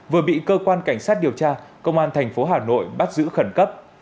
vừa bị cơ quan cảnh sát điều tra công an thành phố hà nội bắt giữ khẩn cấp